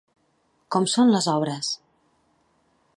Com són les obres?